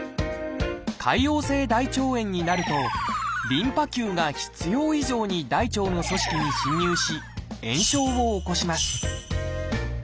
潰瘍性大腸炎になるとリンパ球が必要以上に大腸の組織に侵入し炎症を起こします